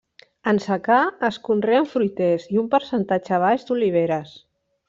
En secà es conreen fruiters i un percentatge baix d'oliveres.